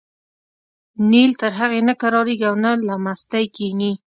نیل تر هغې نه کرارېږي او نه له مستۍ کېني.